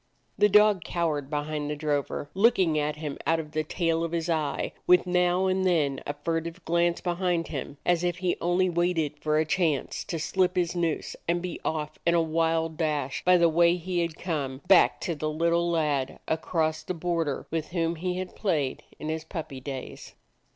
The dog cowered behind the drover, looking at him out of the tail of his eye, with now and 55 DOG HEROES OF MANY LANDS then a furtive glance behind him, as if he only waited for a chance to slip his noose, and be off in a wild dash by the way he had come, back to the little lad across the border with whom he had played in his puppy days.